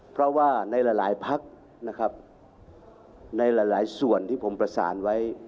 เพราะว่าในหลายพักนะครับในหลายส่วนที่ผมประสานไว้